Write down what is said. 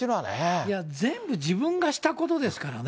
いや、全部自分がしたことですからね。